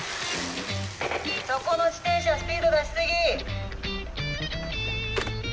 そこの自転車スピード出し過ぎ！